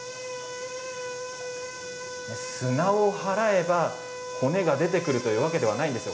砂を払えば骨が出てくるというわけではないんです。